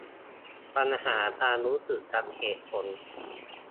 ปัญหาความรู้สึกกับเหตุผล